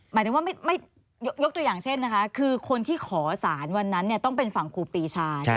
หมายถึงว่ายกตัวอย่างเช่นนะคะคือคนที่ขอสารวันนั้นต้องเป็นฝั่งครูปีชา